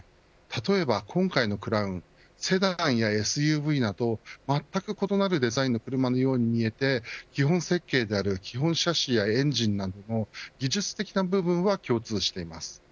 例えば今回のクラウンセダンやＳＵＶなどまったく異なるデザインの車のように見えて基本設計である基本シャシーやエンジンなど技術的な部分は共通しています。